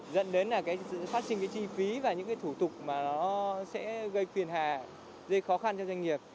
dẫn đến phát sinh chi phí và những thủ tục gây khó khăn cho doanh nghiệp